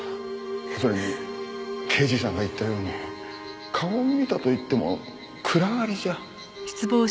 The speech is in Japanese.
それに刑事さんが言ったように顔を見たといっても暗がりじゃ。